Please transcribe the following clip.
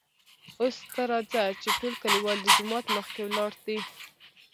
اوس ته راځه چې ټول کليوال دجومات مخکې ولاړ دي .